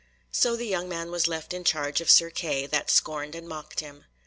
So the young man was left in charge of Sir Kay, that scorned and mocked him.